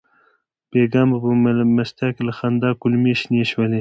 بېګا مو په مېلمستیا کې له خندا کولمې شنې شولې.